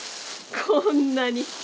こんなに！